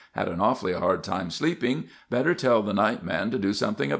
Had an awfully hard time sleeping. Better tell the night man to do something about it."